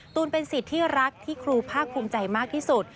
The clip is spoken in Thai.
เป็นสิทธิ์ที่รักที่ครูภาคภูมิใจมากที่สุด